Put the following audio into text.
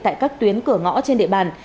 tại các tuyến cửa ngõ trên địa bàn